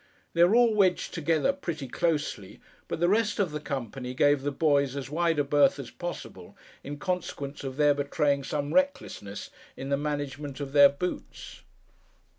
They were all wedged together, pretty closely; but the rest of the company gave the boys as wide a berth as possible, in consequence of their betraying some recklessness in the management of their boots.